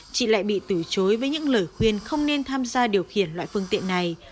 chị lại bị từ chối với những lời khuyên không nên tham gia điều khiển loại phương tiện này